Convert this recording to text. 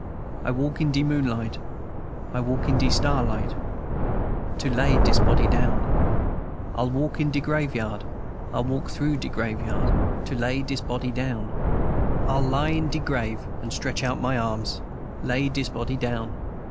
I walk in de moonlight, I walk in de starlight, To lay dis body down. I'll walk in de graveyard, I'll walk through de graveyard, To lay dis body down. I'll lie in de grave and stretch out my arms; Lay dis body down.